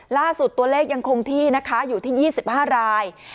ล่าสุดตัวเลขยังคงที่นะคะอยู่ที่๒๕ราย